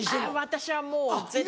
私はもう絶対嫌。